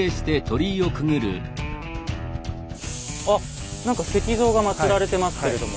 あっ何か石像が祭られてますけれども。